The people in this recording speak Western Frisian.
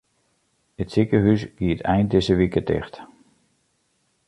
It sikehús giet ein dizze wike ticht.